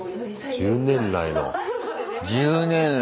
１０年来。